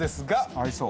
合いそう。